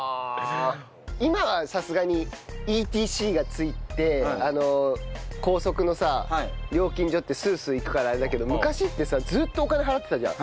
今はさすがにＥＴＣが付いて高速のさ料金所ってスースー行くからあれだけど昔ってさずっとお金払ってたじゃん。